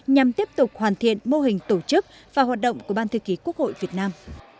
nhằm tiếp tục hoàn thiện mô hình tổ chức và hoạt động của ban thư ký quốc hội việt nam